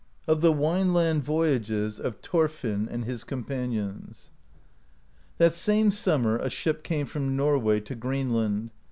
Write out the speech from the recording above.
OF THE WINELAND VOYAGES OF THORFINN AND HIS COMPANIONS. That same summer a ship came from Norway to Green land.